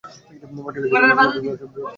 পত্রিকাটি বের হয়েছে "ব্রড শিট" আকারে।